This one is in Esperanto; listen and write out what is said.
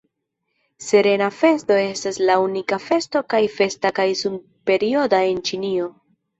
Serena Festo estas la unika festo kaj festa kaj sun-perioda en Ĉinio.